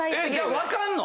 分かるの？